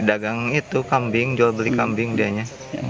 dagang itu kambing jual beli kambing dianya